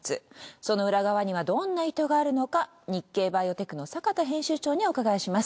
その裏側にはどんな意図があるのか『日経バイオテク』の坂田編集長にお伺いします。